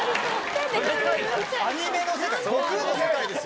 アニメの世界悟空の世界ですよ。